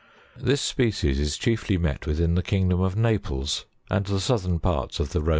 59. This species is chiefly met with in the kingdom of Naples and the southern parts of the Roman States.